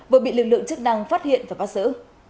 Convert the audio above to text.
vừa bị lực lượng chức năng phát hiện và phát sỡ